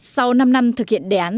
sau năm năm thực hiện đề án